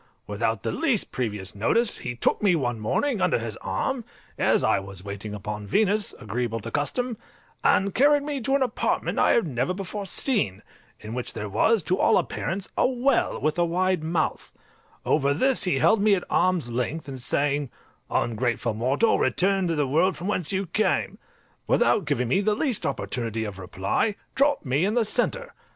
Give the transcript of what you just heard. Without the least previous notice he took me one morning under his arm, as I was waiting upon Venus, agreeable to custom, and carried me to an apartment I had never before seen, in which there was, to all appearance, a well with a wide mouth: over this he held me at arm's length, and saying, "Ungrateful mortal, return to the world from whence you came," without giving me the least opportunity of reply, dropped me in the centre.